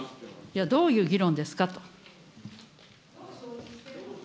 いや、どういう議論ですかと。